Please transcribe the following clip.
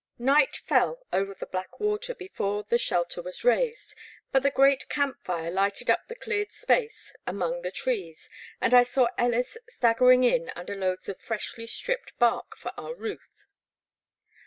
NIGHT fell over the Black Water before the shelter was raised, but the great camp firie lighted up the cleared space among the trees, and I saw BUis staggering in under loads of freshly stripped bark for our roof.